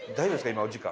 今お時間。